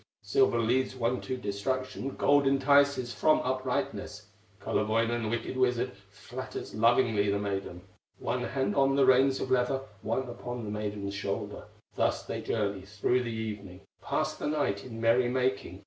Silver leads one to destruction, Gold entices from uprightness. Kullerwoinen, wicked wizard, Flatters lovingly the maiden, One hand on the reins of leather, One upon the maiden's shoulder; Thus they journey through the evening, Pass the night in merry making.